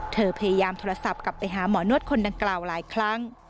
พยายามโทรศัพท์กลับไปหาหมอนวดคนดังกล่าวหลายครั้ง